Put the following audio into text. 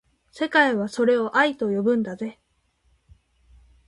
世界はそれを愛と呼ぶんだぜ